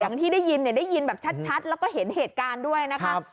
อย่างที่ได้ยินเนี่ยได้ยินแบบชัดแล้วก็เห็นเหตุการณ์ด้วยนะคะ